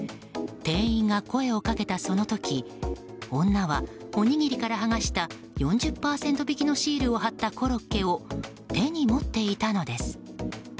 店員が声をかけたその時女はおにぎりから剥がした４０％引きのシールを貼ったコロッケを手に持っていたのです。